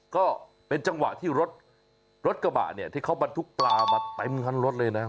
ก็เป็นจังหวะที่รถรถกระบะเนี่ยที่เขาบรรทุกปลามาเต็มคันรถเลยนะ